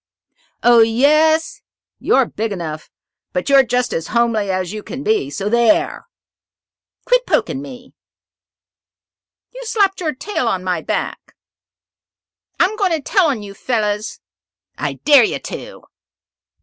"Oh, yes. You're big enough, but you're just as homely as you can be. So there!" "Quit poking me!" "You slapped your tail on my back!" "I'm going to tell on you fellows!" "I dare you to!"